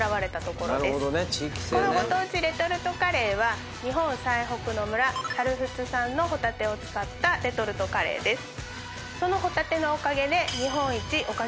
このご当地レトルトカレーは日本最北の村猿払産のホタテを使ったレトルトカレーです。